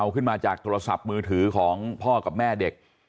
ขึ้นมาจากโทรศัพท์มือถือของพ่อกับแม่เด็ก